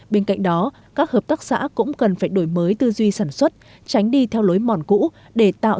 bên cạnh đó các hợp tác xã cũng cần phải đổi mới tư duy sản xuất tránh đi theo lối mòn cũ để tạo